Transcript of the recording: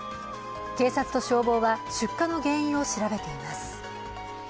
警察と消防は出火の原因を調べています。